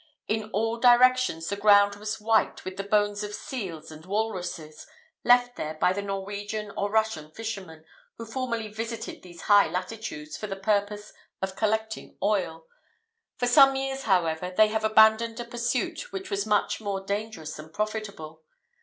In all directions the ground was white with the bones of seals and walruses, left there by the Norwegian or Russian fishermen, who formerly visited these high latitudes for the purpose of collecting oil; for some years, however, they have abandoned a pursuit which was much more dangerous than profitable.